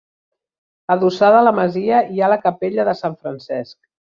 Adossada a la masia hi ha la capella de Sant Francesc.